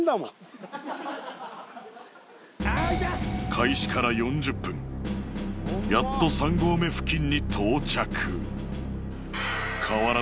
開始から４０分やっと３合目付近に到着